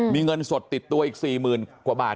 มีเงินสดติดตัวอีก๔๐๐๐กว่าบาท